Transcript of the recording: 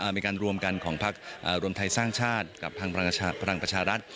มีการรวมกันของพักรวมไทยสร้างชาติกับพลังประชารัฐ